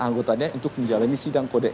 anggotanya untuk menjalani sidang kode